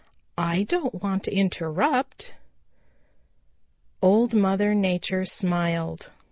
I don't want to interrupt." Old Mother Nature smiled.